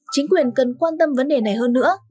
chính quyền cần quan tâm vấn đề này hơn nữa